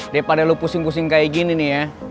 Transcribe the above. daripada lu pusing pusing kayak gini nih ya